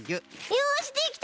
よしできた！